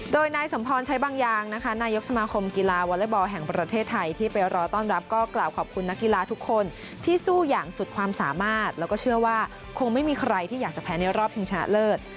โดยนายสมพรใช้บางอย่างนะคะนายกสมาคมกีฬาวอเล็กบอลแห่งประเทศไทยที่ไปรอต้อนรับก็กล่าวขอบคุณนักกีฬาทุกคนที่สู้อย่างสุดความสามารถแล้วก็เชื่อว่าคงไม่มีใครที่อยากจะแพ้ในรอบชิงชนะเลิศ